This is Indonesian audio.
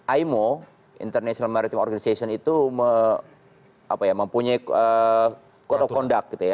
aimo international maritim organization itu mempunyai code of conduct gitu ya